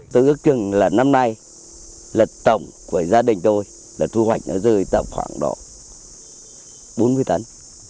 tôi ước chừng là năm nay lật tổng của gia đình tôi là thu hoạch nó rơi tầm khoảng độ bốn mươi tấn